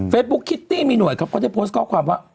บุ๊คคิตตี้มีหน่วยครับก็ได้โพสต์ข้อความว่า